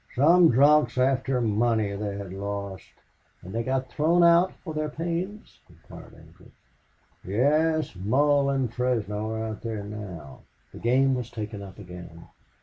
"Some drunks after money they had lost." "And got thrown out for their pains?" inquired Ancliffe. "Yes. Mull and Fresno are out there now." The game was taken up again.